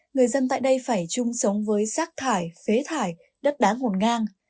người dân tại đây phải chung sống với rác thải phế thải đất đá ngổn ngang